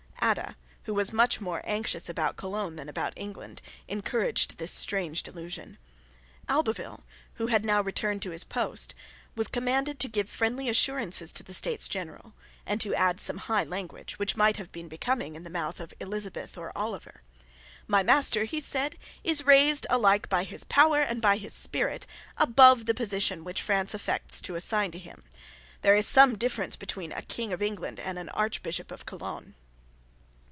Adda, who was much more anxious about Cologne than about England, encouraged this strange delusion. Albeville, who had now returned to his post, was commanded to give friendly assurances to the States General, and to add some high language, which might have been becoming in the mouth of Elizabeth or Oliver. "My master," he said, "is raised, alike by his power and by his spirit, above the position which France affects to assign to him. There is some difference between a King of England and an Archbishop of Cologne."